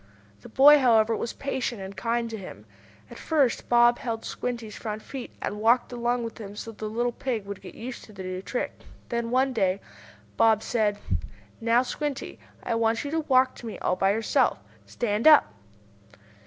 The boy, however, was patient and kind to him. At first Bob held Squinty's front feet, and walked along with him so the little pig would get used to the new trick. Then one day Bob said: "Now, Squinty, I want you to walk to me all by yourself. Stand up!"